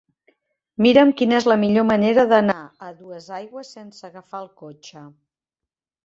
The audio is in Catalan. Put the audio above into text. Mira'm quina és la millor manera d'anar a Duesaigües sense agafar el cotxe.